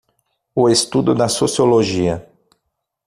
O estudo da sociologia.